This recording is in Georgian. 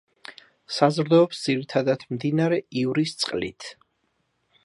საზრდოობს ძირითადად მდინარე ივრის წყლით.